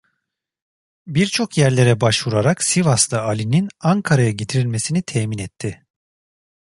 Birçok yerlere başvurarak Sıvaslı Ali'nin Ankara'ya getirilmesini temin etti.